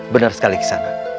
benar sekali kisanak